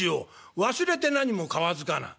「『忘れて何もかわずかな』」。